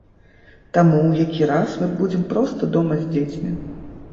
Таму ў які раз мы будзем проста дома з дзецьмі.